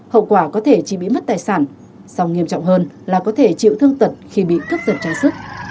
hậu quả có thể chỉ bị mất tài sản song nghiêm trọng hơn là có thể chịu thương tật khi bị cướp giật trái sức